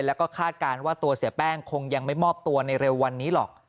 แล้วก็คาดการณ์ว่าตัวเสียแป้งคงยังไม่มอบตัวในเร็ววันนี้หรอก